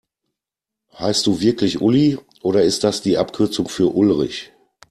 Heißt du wirklich Uli, oder ist das die Abkürzung für Ulrich?